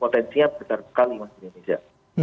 tensinya besar sekali mas indonesia